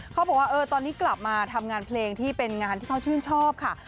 เขาบอกว่าตอนนี้กลับมาทำงานเพลงที่เป็นงานที่เขาชื่นชอบค่ะ